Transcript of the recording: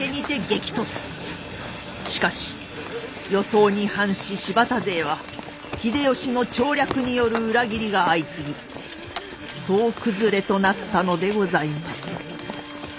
しかし予想に反し柴田勢は秀吉の調略による裏切りが相次ぎ総崩れとなったのでございます。